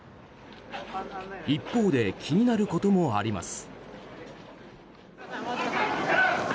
一方で気になることもあります。